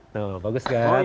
tuh bagus kan